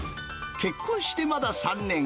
結婚してまだ３年。